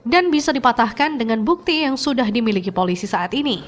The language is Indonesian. dan bisa dipatahkan dengan bukti yang sudah dimiliki polisi saat ini